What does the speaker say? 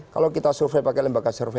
kalau kita survei pakai lembaga survei